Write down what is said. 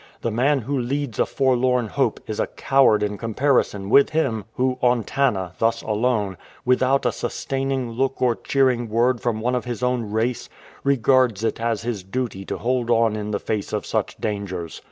The man who leads a forlorn hope is a coward in comparison with him, who, on Tanna, thus alone, without a sustaining look or cheering word from one of his own race, regards it as his duty to hold on in the face of such dangers.